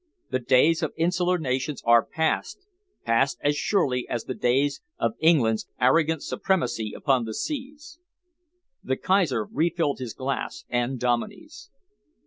The days of insular nations are passed, passed as surely as the days of England's arrogant supremacy upon the seas." The Kaiser refilled his glass and Dominey's.